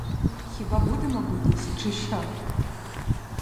Хіба будемо битись, чи що?